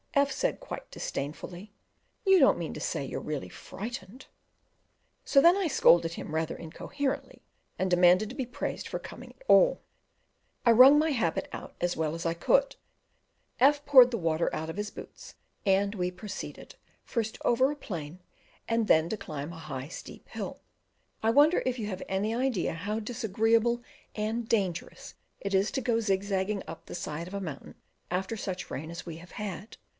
F said, quite disdainfully, "You don't mean to say you're really frightened?" So then I scolded him, rather incoherently, and demanded to be praised for coming at all! I wrung my habit out as well as I could, F poured the water out of his boots, and we proceeded, first over a plain, and then to climb a high steep hill. I wonder if you have any idea how disagreeable and dangerous it is to go zigzag up the side of a mountain after such rain as we have had.